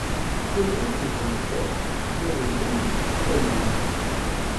Tiɣrit n tmeṭṭut, d aḍellel i teṭṭellil.